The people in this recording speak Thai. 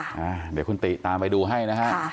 เดี๋ยวคุณติตามไปดูให้นะฮะ